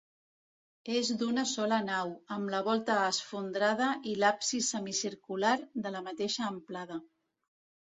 És d'una sola nau, amb la volta esfondrada, i l'absis semicircular de la mateixa amplada.